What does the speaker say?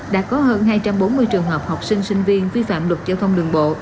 đã có hơn hai trăm bốn mươi trường hợp học sinh sinh viên vi phạm luật giao thông đường bộ